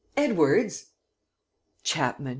Edwards!" "Chapman!